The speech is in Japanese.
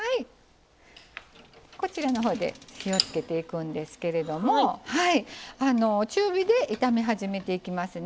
こちらのほうで火をつけていくんですけれども中火で炒め始めていきますね。